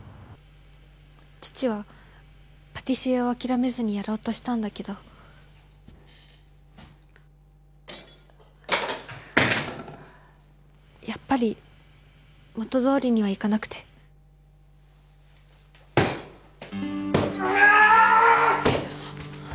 父はパティシエを諦めずにやろうとしたんだけどやっぱり元どおりにはいかなくてああーっ！